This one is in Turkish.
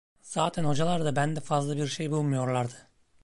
Zaten hocalar da bende fazla bir şey bulmuyorlardı.